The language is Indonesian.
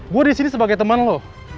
gue disini sebagai temen lo